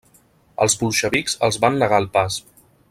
Els bolxevics els van negar el pas.